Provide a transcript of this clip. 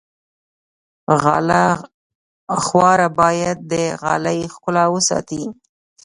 غاله خواره باید د غالۍ ښکلا وساتي.